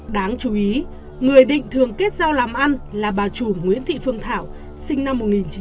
đáng chú ý người định thường kết giao làm ăn là bà chủ nguyễn thị phương thảo sinh năm một nghìn chín trăm tám mươi